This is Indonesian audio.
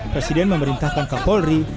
presiden memerintahkan kapolri